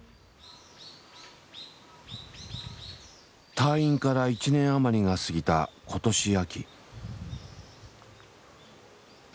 退院から１年余りが過ぎた今年秋。